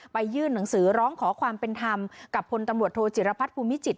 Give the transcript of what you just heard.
ยื่นหนังสือร้องขอความเป็นธรรมกับพลตำรวจโทจิรพัฒน์ภูมิจิต